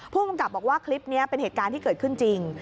ผู้กำกับบอกว่าคลิปนี้เป็นเหตุการณ์ที่เกิดขึ้นจริง